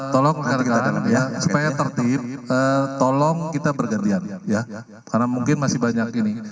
tolong rekan rekan supaya tertib tolong kita bergantian karena mungkin masih banyak ini